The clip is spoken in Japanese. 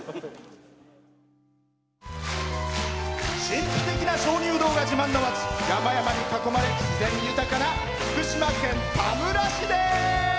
神秘的な鍾乳洞が自慢の町山々に囲まれ自然豊かな福島県田村市です。